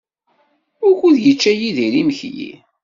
Wukud yečča Yidir imekli?